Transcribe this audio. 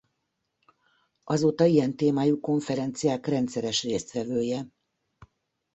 Azóta ilyen témájú konferenciák rendszeres résztvevője.